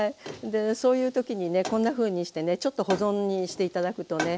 でそういう時にねこんなふうにしてねちょっと保存にして頂くとね